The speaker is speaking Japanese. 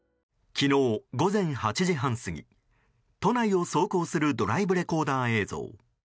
昨日午前８時半過ぎ都内を走行するドライブレコーダー映像。